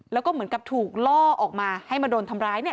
แล้วก็เหมือนกับถูกล่อออกมาให้มาโดนทำร้ายเนี่ย